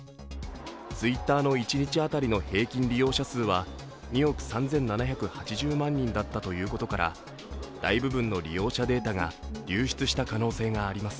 Ｔｗｉｔｔｅｒの一日当たりの平均利用者数は２億３７８０万人だったということから大部分の利用者データが流出した可能性があります。